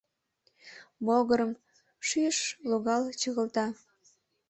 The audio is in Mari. Могырым, шӱйыш логал, чыгылта.